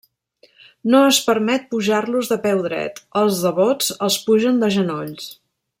No es permet pujar-los de peu dret: els devots els pugen de genolls.